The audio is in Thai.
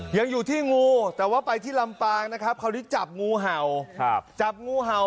ยังอยู่ที่งูแต่ว่าไปที่ลำปางนะครับคราวนี้จับงูเห่าจับงูเห่า